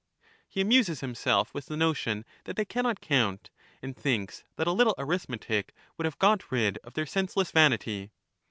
He amuses himself with the notion that they cannot count, and thinks that a little arith metic would have got rid of their senseless vanity.